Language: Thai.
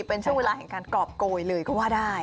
เป็นช่วงเวลาแห่งการกรอบโกยเลยก็ว่าได้